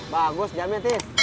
bagus jamnya tis